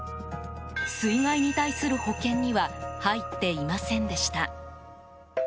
水害に対応する保険には入っていませんでした。